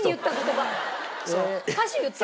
歌詞言ってた。